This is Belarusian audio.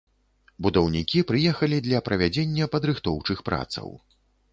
Будаўнікі прыехалі для правядзення падрыхтоўчых працаў.